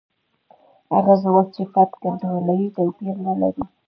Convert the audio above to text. هغه ځواک چې فرد کنټرولوي توپیر نه لري.